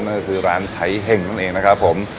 ก็คือร้านไทเฮงนั่นเองนะครับ